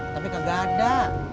tapi kagak ada